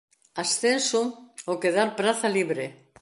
Ascenso ó quedar praza libre.